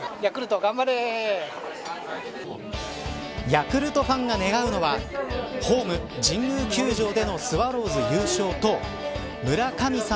ヤクルトファンが願うのはホーム神宮球場でのスワローズ優勝と村神様